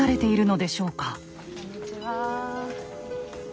こんにちは。